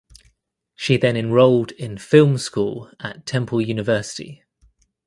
She then enrolled in film school at Temple University.